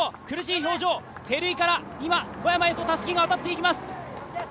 苦しい表情、照井から今、小山へとたすきが渡っていきます。